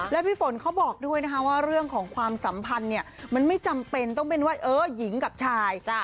แล้วพี่ฝนเขาบอกด้วยนะคะว่าเรื่องของความสัมพันธ์เนี่ยมันไม่จำเป็นต้องเป็นว่าเออหญิงกับชาย